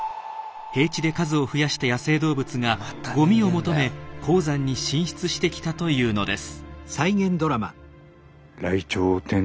平地で数を増やした野生動物がゴミを求め高山に進出してきたというのです。